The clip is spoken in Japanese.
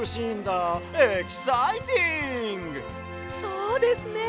そうですね